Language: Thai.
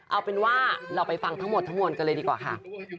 เอาเป็นว่าเราไปฟังทั้งหมดทั้งมวลกันเลยดีกว่าค่ะ